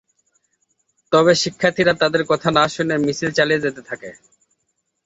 তবে শিক্ষার্থীরা তাদের কথা না শুনে মিছিল চালিয়ে যেতে থাকে।